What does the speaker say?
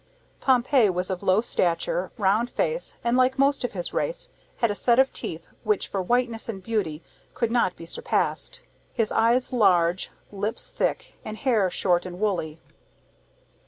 Pompey was of low stature, round face, and, like most of his race, had a set of teeth, which for whiteness and beauty could not be surpassed; his eyes large, lips thick, and hair short and woolly.